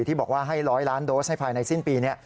ที่บอกว่าให้๑๐๐ล้านโดสให้ภายในสิ้นปีนี้